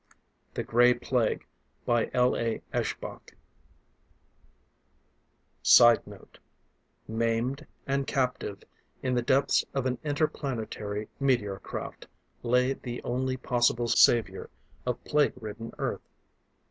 The Gray Plague By L. A. Eshbach [Sidenote: Maimed and captive, in the depths of an interplanetary meteor craft, lay the only possible savior of plague ridden Earth.